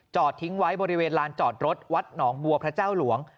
ทิ้งไว้บริเวณลานจอดรถวัดหนองบัวพระเจ้าหลวง